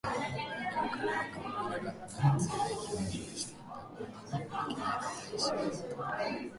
でも、彼は変わらなかった。強い表情をしていた。何にも負けない固い意志があった。